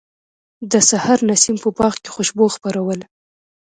د سحر نسیم په باغ کې خوشبو خپروله.